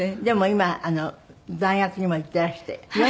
でも今大学にも行っていらして。